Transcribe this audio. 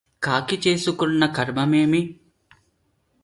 కాకి చేసుకొన్న కర్మమేమి